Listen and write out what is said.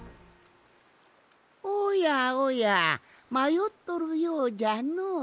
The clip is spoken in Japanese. おやおやまよっとるようじゃのう。